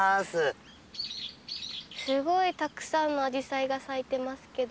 すごいたくさんのアジサイが咲いてますけど。